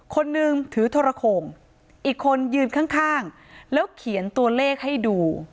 คนนึงถือโทรโข่งอีกคนยืนข้างแล้วเขียนตัวเลขให้ดู